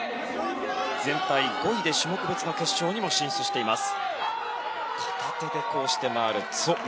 全体５位で種目別決勝にも進出しています。